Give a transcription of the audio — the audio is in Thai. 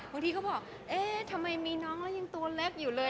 น้องล่ะทำไมมีน้องแล้วยังตัวเล็บอยู่เลย